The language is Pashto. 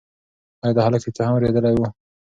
ایا دا هلک رښتیا هم وېرېدلی و؟